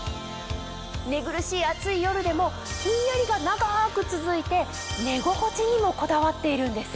寝苦しい暑い夜でもひんやりが長く続いて寝心地にもこだわっているんです。